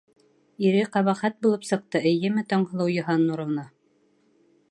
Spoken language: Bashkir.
Ире ҡәбәхәт булып сыҡты, эйеме, Таңһылыу Йыһаннуровна?